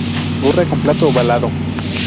Gorra con plato ovalado.